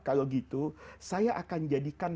kalau gitu saya akan jadikan